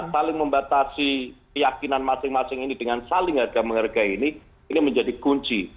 saling membatasi keyakinan masing masing ini dengan saling harga menghargai ini ini menjadi kunci